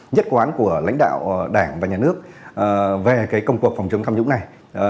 nhất quán của lãnh đạo đảng và nhà nước về công cuộc phòng chống tham nhũng này